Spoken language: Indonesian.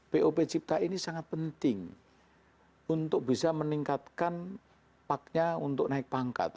pop cipta ini sangat penting untuk bisa meningkatkan parknya untuk naik pangkat